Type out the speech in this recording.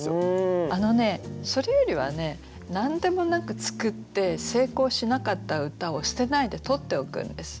あのねそれよりはね何でもなく作って成功しなかった歌を捨てないで取っておくんです。